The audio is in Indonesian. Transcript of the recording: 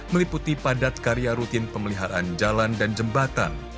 meliputi padat karya rutin pemeliharaan jalan dan jembatan